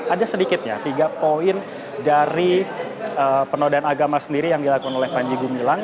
ada sedikitnya tiga poin dari penodaan agama sendiri yang dilakukan oleh panji gumilang